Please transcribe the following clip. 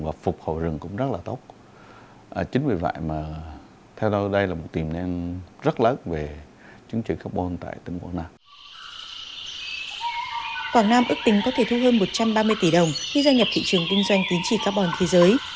quảng nam ước tính có thể thu hơn một trăm ba mươi tỷ đồng khi gia nhập thị trường kinh doanh tính trị carbon thế giới